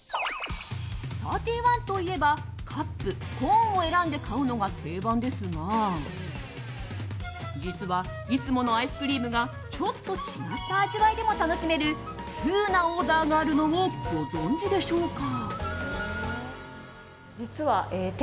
サーティーワンといえばカップ、コーンを選んで買うのが定番ですが実は、いつものアイスクリームがちょっと違った味わいでも楽しめるツウなオーダーがあるのをご存じでしょうか？